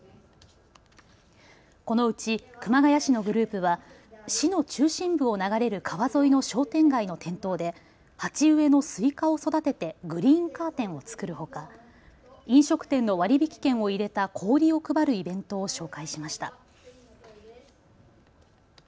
このうち熊谷市のグループは市の中心部を流れる川沿いの商店街の店頭で鉢植えのすいかを育ててグリーンカーテンを作るほか飲食店の割引券を入れた氷を配るイベントを紹介しました。